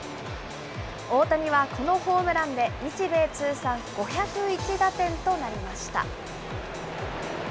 大谷はこのホームランで日米通算５０１打点となりました。